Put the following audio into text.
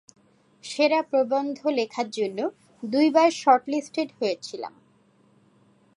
সেরা প্রবন্ধ লেখার জন্য দুইবার শর্টলিস্টেড হয়েছিলাম।